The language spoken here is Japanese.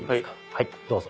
はいどうぞ。